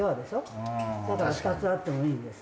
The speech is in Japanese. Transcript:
２つあってもいいんです。